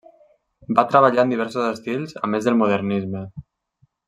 Va treballar en diversos estils a més del modernisme.